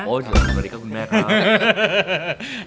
สวัสดีครับคุณแม่ครับ